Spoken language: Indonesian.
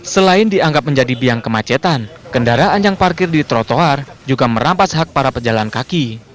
selain dianggap menjadi biang kemacetan kendaraan yang parkir di trotoar juga merampas hak para pejalan kaki